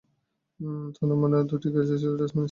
তন্মধ্যে দুটিই ছিল টেস্ট ম্যাচ।